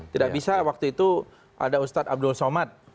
tidak bisa waktu itu ada ustadz abdul somad